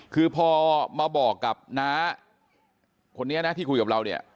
คือพอมาบอกกับน้าคนนี้นะที่คุยกับเราเนี่ย